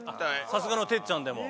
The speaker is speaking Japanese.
さすがの哲ちゃんでも？